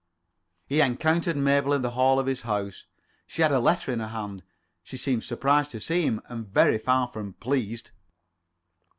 He encountered Mabel in the hall of his house. She had a letter in her hand. She seemed surprised to see him, and very far from pleased.